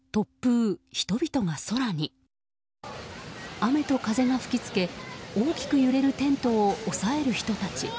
雨と風が吹き付け、大きく揺れるテントを押さえる人たち。